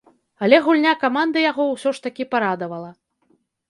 Але гульня каманды яго ўсё ж такі парадавала.